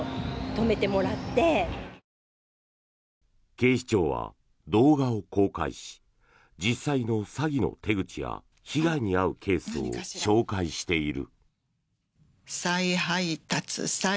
警視庁は動画を公開し実際の詐欺の手口や被害に遭うケースを紹介している。